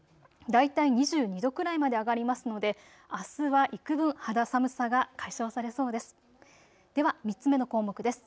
大体２２度くらいまで上がりますので、あすはいくぶん肌寒さが解消されそうです。